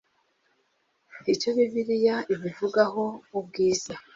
Icyo bibiliya ibivugaho ubwiza